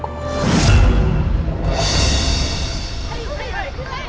aku akan selamatkanmu